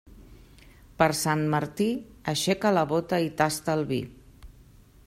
Per Sant Martí, aixeca la bóta i tasta el vi.